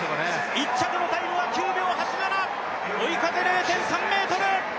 １着のタイムは９秒８７、追い風０．３メートル。